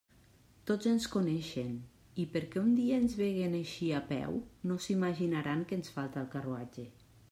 Tots ens coneixen, i perquè un dia ens vegen eixir a peu no s'imaginaran que ens falta el carruatge.